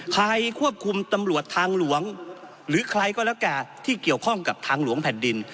ใครควบคุมตำรวจทางหลวงหรือใครก็แล้วแต่ที่เกี่ยวข้องกับทางหลวงแผ่นดิน